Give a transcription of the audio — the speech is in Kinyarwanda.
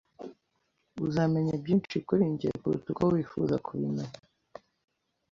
Uzamenya byinshi kuri njye kuruta uko wifuza kubimenya. (michaelstercero)